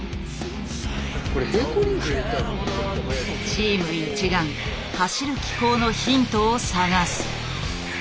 チーム一丸走る機構のヒントを探す。